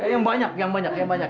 yang banyak yang banyak yang banyak